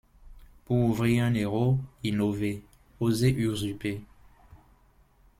Pour Ouvrir Un Héros: Innovez, Osez Usurper!